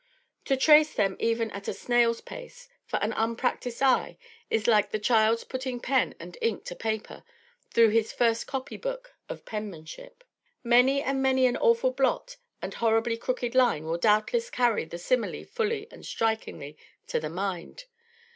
To trace them even at a snail's pace, for an unpractised eye, is like the child putting pen and ink to paper through his first copy book of penmanship. Many and many an awful blot and horribly crooked line will doubtless carry the simile fully and strikingly to the mind.